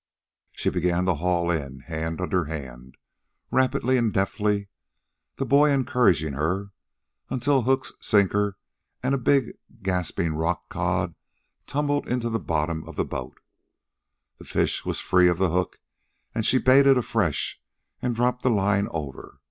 She began to haul in, hand under hand, rapidly and deftly, the boy encouraging her, until hooks, sinker, and a big gasping rockcod tumbled into the bottom of the boat. The fish was free of the hook, and she baited afresh and dropped the line over.